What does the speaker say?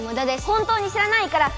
本当に知らないから！